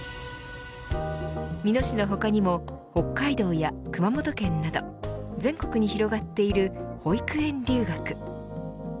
美濃市の他にも北海道や熊本県など全国に広がっている保育園留学。